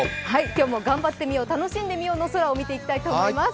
今日も頑張ってみよう、楽しんでみようの空を見ていきたいと思います。